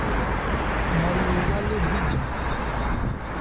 Nmɔyo ewá ló bíjan.